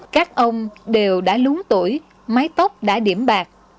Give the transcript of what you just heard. các ông đều đã lúng tuổi mái tóc đã điểm bạc